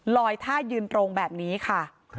ท่ายืนตรงแบบนี้ค่ะ